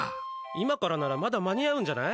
今からならまだ間に合うんじゃない。